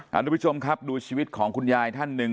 ทุกผู้ชมครับดูชีวิตของคุณยายท่านหนึ่ง